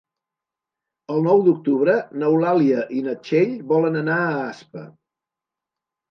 El nou d'octubre n'Eulàlia i na Txell volen anar a Aspa.